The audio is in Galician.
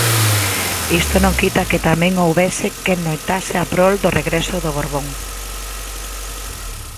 Isto non quita que tamén houbese quen loitase a prol do regreso do Borbón.